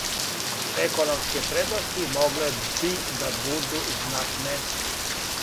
Економске предности могле би да буду знатне.